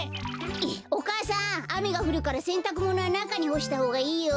お母さんあめがふるからせんたくものはなかにほしたほうがいいよ。